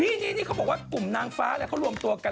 นี่เขาบอกว่ากลุ่มนางฟ้าเขารวมตัวกัน